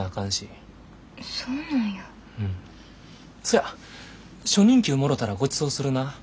そや初任給もろたらごちそうするな。